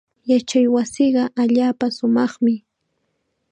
Yachaywasiiqa allaapa shumaqmi.